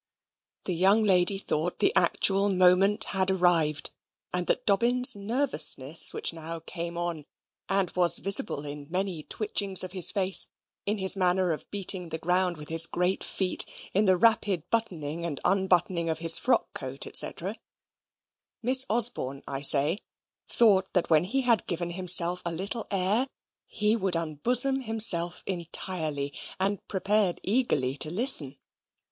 The young lady thought the actual moment had arrived, and that Dobbin's nervousness which now came on and was visible in many twitchings of his face, in his manner of beating the ground with his great feet, in the rapid buttoning and unbuttoning of his frock coat, &c. Miss Osborne, I say, thought that when he had given himself a little air, he would unbosom himself entirely, and prepared eagerly to listen.